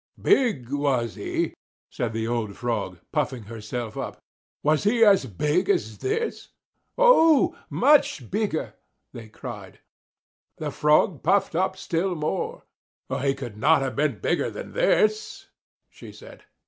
"Big, was he!" said the old Frog, puffing herself up. "Was he as big as this?" "Oh, much bigger!" they cried. The Frog puffed up still more. "He could not have been bigger than this," she said.